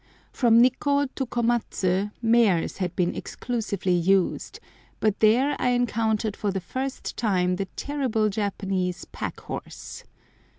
From Nikkô to Komatsu mares had been exclusively used, but there I encountered for the first time the terrible Japanese pack horse.